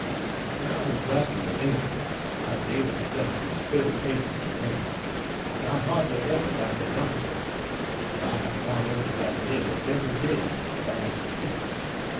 When I was writing the "Innocents" my daily stunt was 30 pages of MS and I hardly ever got beyond it; but I have gone over that nearly every day for the last ten.